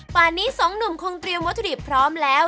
ป่านนี้สองหนุ่มคงเตรียมวัตถุดิบพร้อมแล้ว